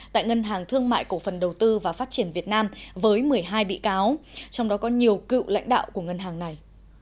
tại ngân hàng thương mại cổ phần đầu tư và phát triển việt nam với một mươi hai bị cáo trong đó có nhiều cựu lãnh đạo của ngân hàng này